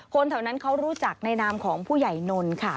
คนแถวนั้นเขารู้จักในนามของผู้ใหญ่นนท์ค่ะ